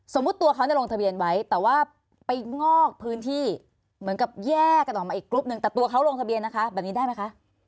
ตัวเขาเนี่ยลงทะเบียนไว้แต่ว่าไปงอกพื้นที่เหมือนกับแยกกันออกมาอีกกรุ๊ปนึงแต่ตัวเขาลงทะเบียนนะคะแบบนี้ได้ไหมคะ